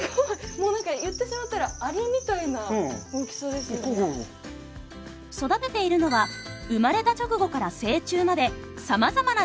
もう何か言ってしまったら育てているのは生まれた直後から成虫までさまざまな段階のコオロギ。